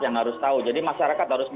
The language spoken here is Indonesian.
yang harus tahu jadi masyarakat harus